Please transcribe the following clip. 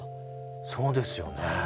そうですよね。